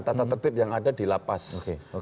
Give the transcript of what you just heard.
tata tertib yang ada di lapas